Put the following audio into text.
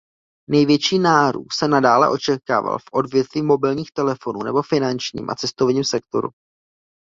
Největší nárůst se nadále očekával v odvětví mobilních telefonů nebo finančním a cestovním sektoru.